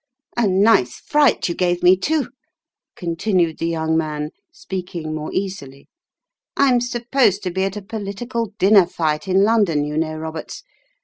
"A nice fright you gave me, too," continued the young man, speaking more easily. "I'm supposed to be at a political dinner fight in London, you know, Roberts.